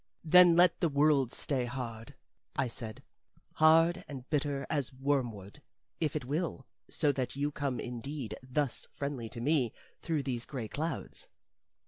"Then let the world stay hard," I said "hard and bitter as wormwood, if it will, so that you come indeed thus friendly to me through these gray clouds."